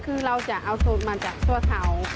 คือเราจะเอาสูตรมาจากซั่วเทา